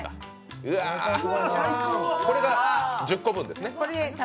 こせが１０個分ですね。